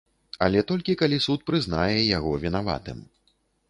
Але толькі калі суд прызнае яго вінаватым.